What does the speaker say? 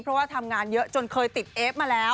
เพราะว่าทำงานเยอะจนเคยติดเอฟมาแล้ว